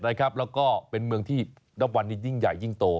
แล้วก็เป็นเมืองที่นับวันนี้ยิ่งใหญ่ยิ่งโต